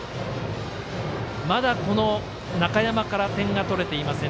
まだ、この中山から点が取れていません。